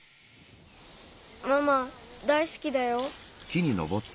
ママ大すきだよ。